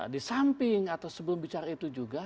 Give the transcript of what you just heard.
di samping atau sebelum bicara itu juga